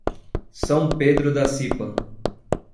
São Pedro da Cipa